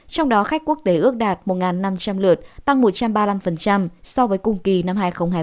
trong đó khách quốc tế ước đạt một năm trăm linh lượt tăng một trăm ba mươi năm so với cùng kỳ năm hai nghìn hai mươi ba